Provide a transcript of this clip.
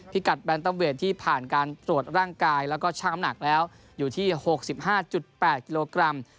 กัดแบนเตอร์เวทที่ผ่านการตรวจร่างกายแล้วก็ช่างน้ำหนักแล้วอยู่ที่๖๕๘กิโลกรัม